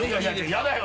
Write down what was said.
やだよ